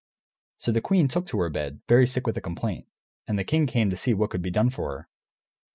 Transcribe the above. So the queen took to her bed, very sick with a complaint, and the king came to see what could be done for her.